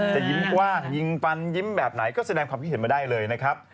จะยิ้มกว้างยิงฟันยิ้มแบบไหนก็แสดงความคิดเห็นมาได้เลยนะครับ